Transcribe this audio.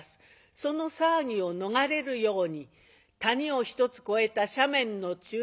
その騒ぎを逃れるように谷を１つ越えた斜面の中途